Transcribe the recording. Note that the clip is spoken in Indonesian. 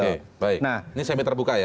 oke baik nah ini semi terbuka ya